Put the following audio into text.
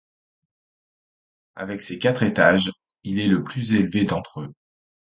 Avec ses quatre étages, il est le plus élevé d'entre eux.